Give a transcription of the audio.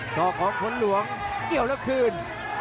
ก่อของผลหลวมเดี๋ยวแล้วคืน